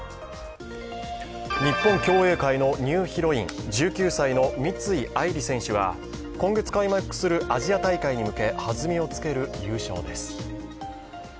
日本競泳界のニューヒロイン、１９歳の三井愛梨選手は今月開幕するアジア大会に向けはずみをつける優勝です。